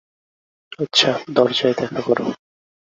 আচ্ছা, দরজায় দেখা করো।